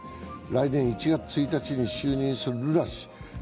来年１月１日に就任するルラ氏。